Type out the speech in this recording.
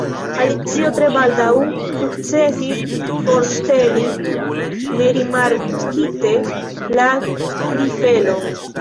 Alicio tre baldaŭ sukcesis forŝteli nerimarkite la grifelon.